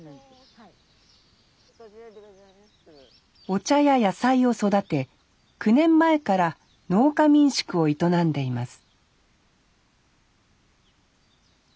お茶や野菜を育て９年前から農家民宿を営んでいます